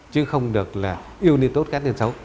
chứ không được là yêu niên tốt cán niên xấu